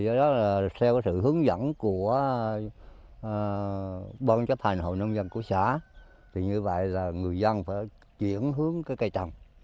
do đó là theo cái sự hướng dẫn của ban chấp hành hội nông dân của xã thì như vậy là người dân phải chuyển hướng cái cây trồng